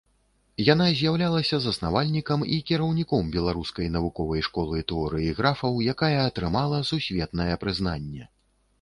Яна з'яўлялася заснавальнікам і кіраўніком беларускай навуковай школы тэорыі графаў, якая атрымала сусветнае прызнанне.